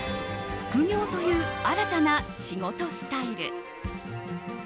複業という新たな仕事スタイル。